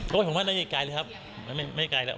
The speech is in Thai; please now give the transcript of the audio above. ผมว่าไม่ได้ไกลเลยครับไม่ได้ไกลแล้ว